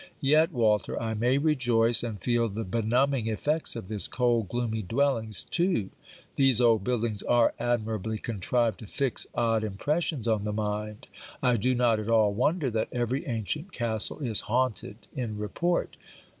Yet, Walter, I may rejoice, and feel the benumbing effects of this cold gloomy dwellings, too. These old buildings are admirably contrived to fix odd impressions on the mind. I do not at all wonder that every ancient castle is haunted in report.